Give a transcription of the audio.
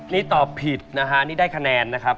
นี่ตอบผิดนะฮะนี่ได้คะแนนนะครับ